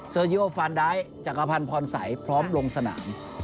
เซอร์จิโอฟานดายจักรพรรณพรสัยพร้อมลงสนาม